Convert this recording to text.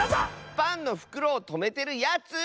パンのふくろをとめてるやつ！